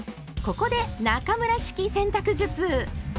ここで中村式洗濯術！